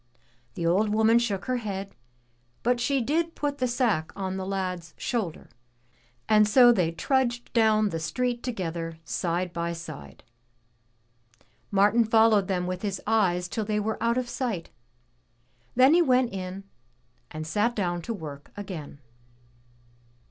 The old woman shook her head, but she did put the sack on the lad's shoulder. And so they trudged down the street together, side by side. Martin followed them with his eyes till they were out of sight, then he went in and sat down to work again.